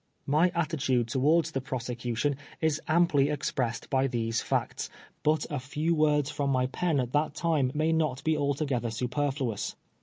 My attitude towards the prosecution is amply ex pressed by these facts, but a few words from my pen at that time may not be altogether superfluous.